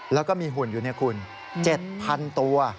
แล้วก็มีหุ่นอยู่นี่คุณ๗๐๐ตัว